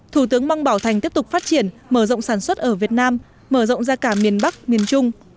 thủ tướng mong bảo thành tiếp tục phát triển mở rộng sản xuất ở việt nam mở rộng ra cả miền bắc miền trung